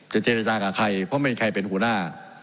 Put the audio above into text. เจรจากับใครเพราะไม่มีใครเป็นหัวหน้า